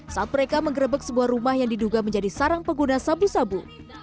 saat mereka mengerebek sebuah rumah yang diduga menjadi sarang pengguna sabu sabu